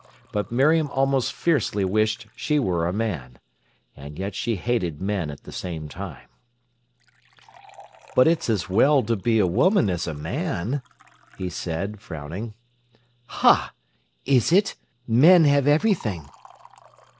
But Miriam almost fiercely wished she were a man. And yet she hated men at the same time. "But it's as well to be a woman as a man," he said, frowning. "Ha! Is it? Men have everything."